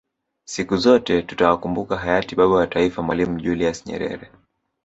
Siku zote tutawakumbuka Hayati Baba wa taifa Mwalimu Julius Nyerere